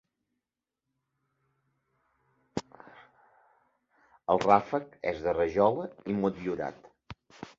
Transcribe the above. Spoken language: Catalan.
El ràfec és de rajola i motllurat.